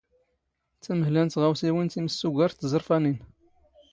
ⵜⴰⵎⵀⵍⴰ ⵏ ⵜⵖⴰⵡⵙⵉⵡⵉⵏ ⵜⵉⵎⵙⵙⵓⴳⴰⵔ ⴷ ⵜⵥⵕⴼⴰⵏⵉⵏ.